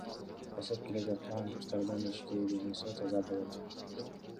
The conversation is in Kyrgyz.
Өсүп келе жаткан жаштардын ички дүйнөсү таза болот.